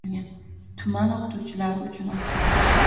Tuman o‘qituvchilari uchun ochilgan.